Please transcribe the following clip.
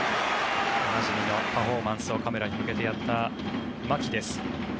おなじみのパフォーマンスをカメラに向けてやった牧です。